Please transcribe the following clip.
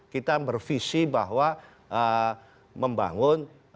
kita bervisi bahwa membangun